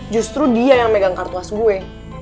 justru dia yang megang kartu khas gue